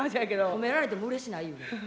褒められてもうれしないいうねん。